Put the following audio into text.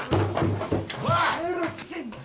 やめろっつってんだよ